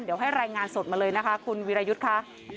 เดี๋ยวให้รายงานสดมาเลยนะคะคุณวิรายุทธ์ค่ะ